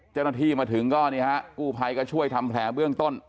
เจ้าหน้าที่มาถึงก็นี่ฮะกู้ภัยก็ช่วยทำแผลเบื้องต้น